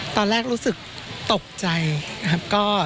ตอนแรกรู้สึกตกใจนะครับ